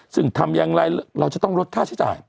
ซึ่งทำอย่างไรเราจะต้องลดค่าใช้จ่าย